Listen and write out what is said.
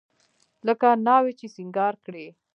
لکه ناوې چې سينګار کړې.